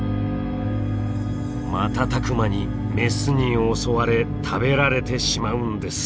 瞬く間にメスに襲われ食べられてしまうんです！